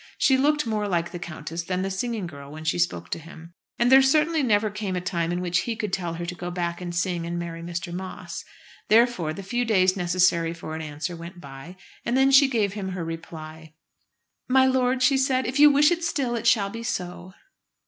She looked much more like the countess than the singing girl when she spoke to him. And there certainly never came a time in which he could tell her to go back and sing and marry Mr. Moss. Therefore the few days necessary for an answer went by, and then she gave him her reply. "My lord," she said, "if you wish it still, it shall be so."